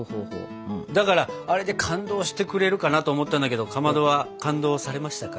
だからあれで感動してくれるかなと思ったんだけどかまどは感動されましたか？